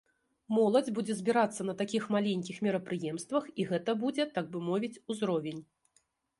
Моладзь будзе збірацца на такіх маленькіх мерапрыемствах, і гэта будзе, так бы мовіць, узровень.